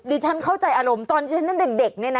เนอะดิฉันเข้าใจอารมณ์ตอนที่ฉันนั้นเด็กนี่นะ